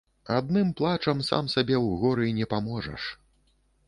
Адным плачам сам сабе ў горы не паможаш.